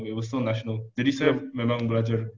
it was still national jadi saya memang belajar